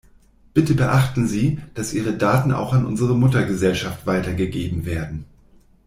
Bitte beachten Sie, dass Ihre Daten auch an unsere Muttergesellschaft weitergegeben werden.